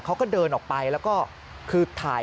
เขาก็เดินออกไปแล้วก็คือถ่าย